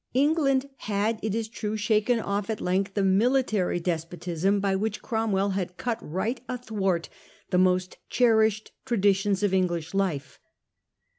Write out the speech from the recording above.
England had, it is true, shaken off at length the military despotism by which Cromwell had cut right athwart the most cherished traditions of English life.